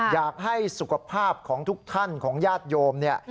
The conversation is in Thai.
อยากให้สุขภาพของทุกท่านของญาติโยมเนี่ย